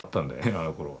あのころは。